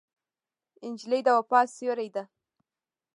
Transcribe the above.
نجلۍ د وفا سیوری ده.